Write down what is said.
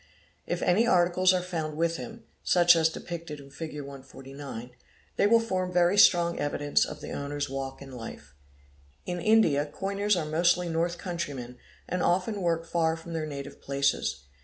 If any articles are found with him, such as depicted in Fig. 149, they will form 7 yery strong evidence of the owner's walk in life. In India coiners are mostly north countrymen and often work far from their native places.